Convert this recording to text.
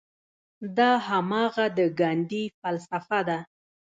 دا هماغه د ګاندي فلسفه ده.